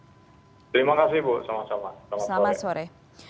terima kasih bu selamat selamat selamat sore